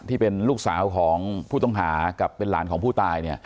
ที่เป็นลูกสาวของผู้ต้องหากับเป็นหลานของผู้ตายเนี่ย